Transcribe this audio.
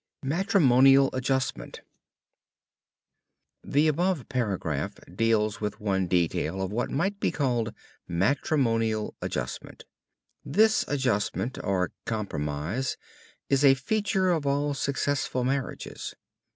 MATRIMONIAL ADJUSTMENT The above paragraph deals with one detail of what might be called "matrimonial adjustment." This adjustment or compromise is a feature of all successful marriages.